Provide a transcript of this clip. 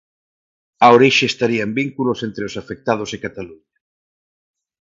A orixe estaría en vínculos entre os afectados e Cataluña.